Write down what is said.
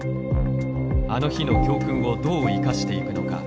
あの日の教訓をどう生かしていくのか。